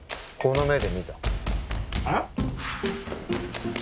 この目で見たえっ？